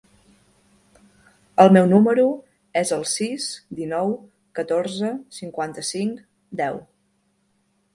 El meu número es el sis, dinou, catorze, cinquanta-cinc, deu.